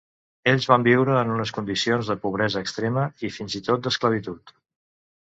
Ells van viure en unes condicions de pobresa extrema i fins i tot d'esclavitud.